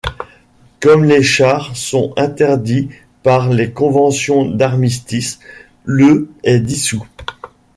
Comme les chars sont interdits par les conventions d'armistice, le est dissous.